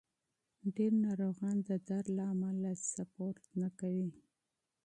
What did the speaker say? ډېر ناروغان د درد له امله سپورت نه کوي.